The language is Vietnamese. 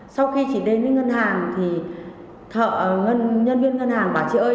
sau khi chị đến với ngân hàng thì thợ nhân viên ngân hàng bảo chị ơi